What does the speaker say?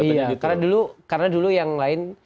iya karena dulu yang lain